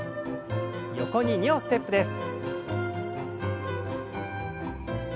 横に２歩ステップです。